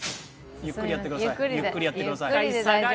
ゆっくりやってください。